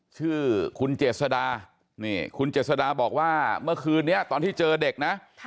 ชื่อคุณเจษดานี่คุณเจษดาบอกว่าเมื่อคืนนี้ตอนที่เจอเด็กนะ